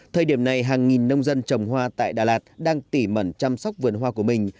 thời điểm này hàng nghìn nông dân trồng hoa tại đà lạt đang tỉ mẩn chăm sóc vườn hoa của mình